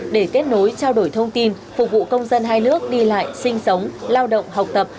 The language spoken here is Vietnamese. để kết nối trao đổi thông tin phục vụ công dân hai nước đi lại sinh sống lao động học tập